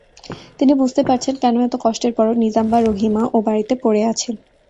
তিনি বুঝতে পারছেন, কেন এত কষ্টের পরও নিজাম বা রহিমা ও-বাড়িতে পড়ে আছে।